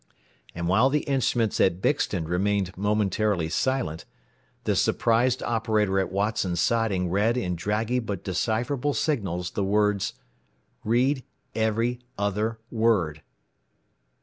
And while the instruments at Bixton remained momentarily silent, the surprised operator at Watson Siding read in draggy but decipherable signals the words: "Read every other word."